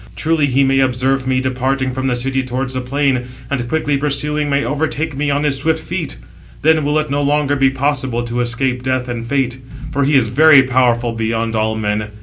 Truly he may observe me departing from the city towards the plain, and, quickly pursuing, may overtake me on his swift feet; then will it no longer be possible to escape Death and Fate; for he is very powerful beyond all men.